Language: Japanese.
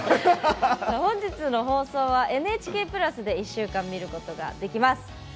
本日の放送はＮＨＫプラスで１週間、見ることができます。